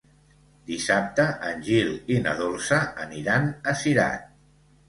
Dissabte en Gil i na Dolça aniran a Cirat.